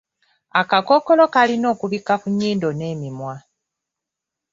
Akakookolo kalina okubikka ku nnyindo n’emimwa.